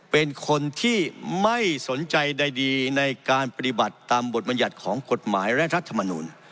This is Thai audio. เป็นคนที่ไม่สนใจใดดีในการปฏิบัติตามบทบรรยัติของกฎหมายและรัฐมนูล